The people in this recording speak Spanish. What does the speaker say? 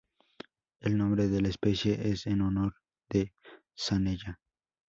El nombre de la especie es en honor de Zanella.